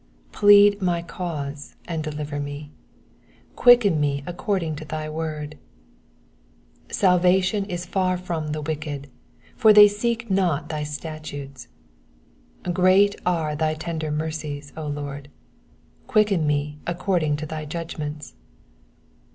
1 54 Plead my cause, and deliver me : quicken me according to thy word* 155 Salvation is far from the wicked : for they seek not thy statutes. 1 56 Great are thy tender mercies, O Lord : quicken me according to thy judgments.